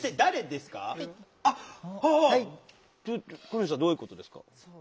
小西さんどういうことですか？